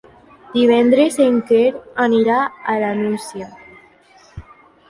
Divendres en Quer anirà a la Nucia.